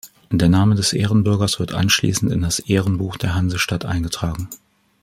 Der Name des Ehrenbürgers wird anschließend in das Ehrenbuch der Hansestadt eingetragen.